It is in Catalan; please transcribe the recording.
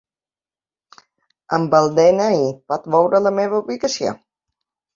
Amb el de-ena-i pot veure la meva ubicació?